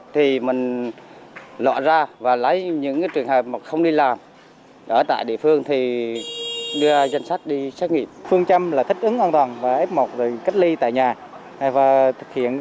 thì mình lọa ra và lấy những trường hợp không đi làm ở tại địa phương thì đưa ra danh sách đi xét nghiệm